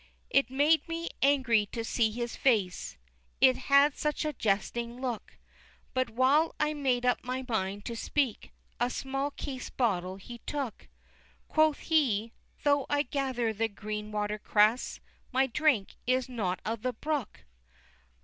VII. It made me angry to see his face, It had such a jesting look; But while I made up my mind to speak, A small case bottle he took: Quoth he, "Though I gather the green water cress, My drink is not of the brook!"